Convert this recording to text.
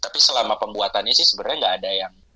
tapi selama pembuatannya sih sebenarnya nggak ada yang